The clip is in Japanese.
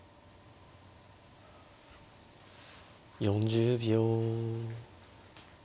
４０秒。